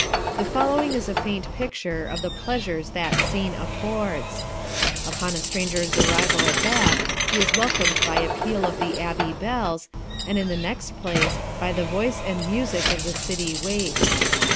The following is a faint picture of the pleasures that scene affords. Upon a stranger's arrival at Bath he is welcomed by a peal of the Abbey bells, and in the next place, by the voice and music of the city waits.